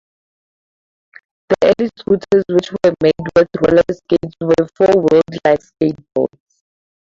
The early scooters, which were made with roller skates, were four-wheeled like skateboards.